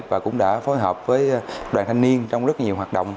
và cũng đã phối hợp với đoàn thanh niên trong rất nhiều hoạt động